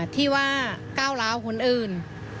ที่ว่าก้าวร้าวคนอื่น